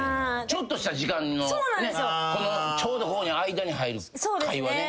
ちょっとした時間のちょうどここに間に入る会話ね。